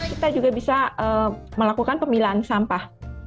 kita juga bisa melakukan pemilahan sampah